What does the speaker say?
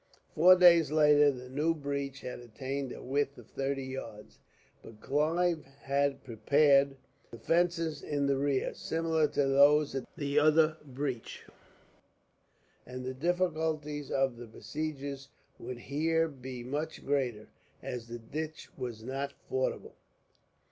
Four days later the new breach had attained a width of thirty yards, but Clive had prepared defences in the rear, similar to those at the other breach; and the difficulties of the besiegers would here be much greater, as the ditch was not fordable.